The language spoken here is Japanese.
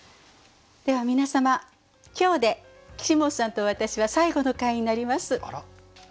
では皆様今日で岸本さんと私は最後の回になります。